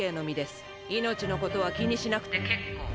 命のことは気にしなくて結構。